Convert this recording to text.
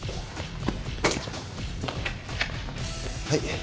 はい。